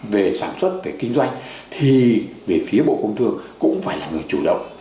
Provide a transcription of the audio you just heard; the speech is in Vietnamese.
về sản xuất về kinh doanh thì về phía bộ công thương cũng phải là người chủ động